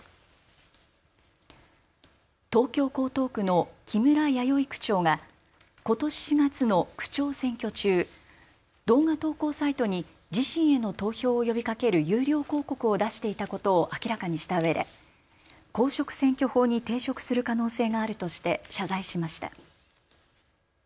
東京江東区の木村弥生区長がことし４月の区長選挙中、動画投稿サイトに自身への投票を呼びかける有料広告を出していたことを明らかにしたうえで公職選挙法に抵触する可能性があるとして謝罪しました。